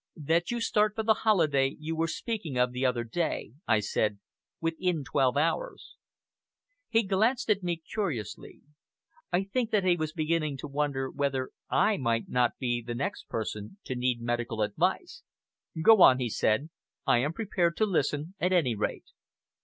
"That you start for the holiday you were speaking of the other day," I said, "within twelve hours." He glanced at me curiously. I think that he was beginning to wonder whether I might not be the next person to need medical advice. "Go on," he said. "I am prepared to listen at any rate...."